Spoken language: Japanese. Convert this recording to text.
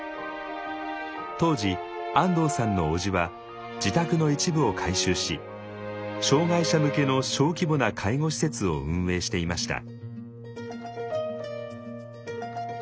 当時安藤さんのおじは自宅の一部を改修し障害者向けの小規模な介護施設を運営していました。